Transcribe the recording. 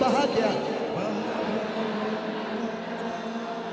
bahagia kan datang